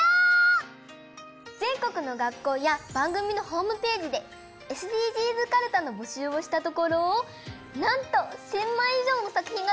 ぜんこくのがっこうやばんぐみのホームページでＳＤＧｓかるたのぼしゅうをしたところなんと１，０００まいいじょうのさくひんがとどいたよ。